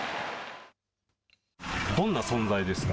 どんな存在ですか。